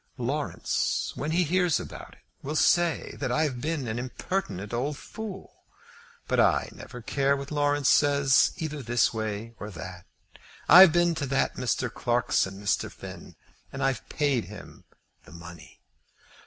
"Laurence, when he hears about it, will say that I've been an impertinent old fool; but I never care what Laurence says, either this way or that. I've been to that Mr. Clarkson, Mr. Finn, and I've paid him the money."